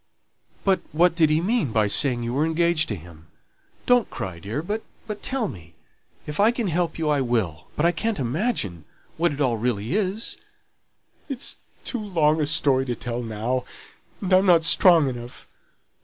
"But what did he mean by saying you were engaged to him? Don't cry, dear, but tell me; if I can help you I will, but I can't imagine what it all really is." "It's too long a story to tell now, and I'm not strong enough.